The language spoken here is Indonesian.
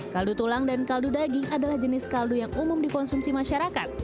kaldu tulang dan kaldu daging adalah jenis kaldu yang umum dikonsumsi masyarakat